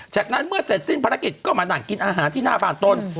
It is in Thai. จากนั้นเมื่อเสร็จสิ้นภารกิจก็มานั่งกินอาหารที่หน้าบ้านตน